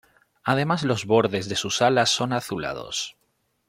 Además los bordes de sus alas son azulados.